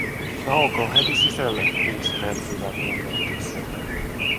"Naoko, heti sisälle", huusi Nancy radion välityksellä.